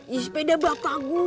iya sepeda bapak gua kok